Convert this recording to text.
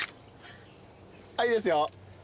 いいですよ。